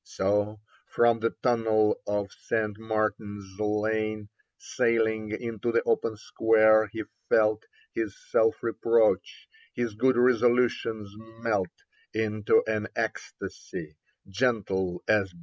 So, from the tunnel of St. Martin's Lane Sailing into the open Square, he felt His self reproach, his good resolutions melt Into an ecstasy, gentle as balm.